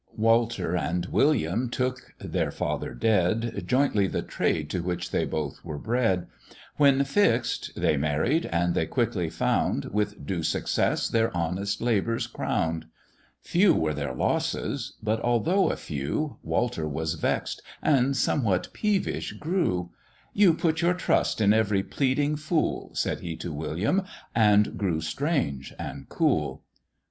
Walter and William took (their father dead) Jointly the trade to which they both were bred; When fix'd, they married, and they quickly found With due success their honest labours crown'd; Few were their losses, but although a few, Walter was vex'd and somewhat peevish grew: "You put your trust in every pleading fool," Said he to William, and grew strange and cool.